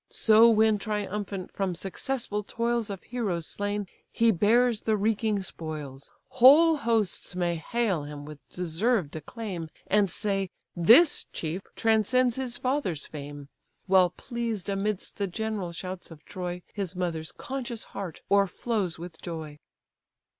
So when triumphant from successful toils Of heroes slain he bears the reeking spoils, Whole hosts may hail him with deserved acclaim, And say, 'This chief transcends his father's fame:' While pleased amidst the general shouts of Troy, His mother's conscious heart o'erflows with joy."